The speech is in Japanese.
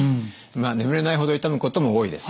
眠れないほど痛むことも多いです。